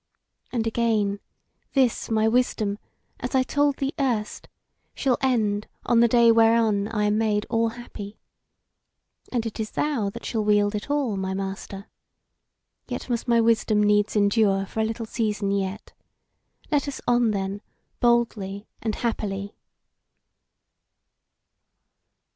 And again, this my wisdom, as I told thee erst, shall end on the day whereon I am made all happy. And it is thou that shall wield it all, my Master. Yet must my wisdom needs endure for a little season yet. Let us on then, boldly and happily."